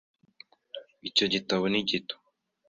Icyo gitabo ni gito .